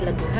lần thứ hai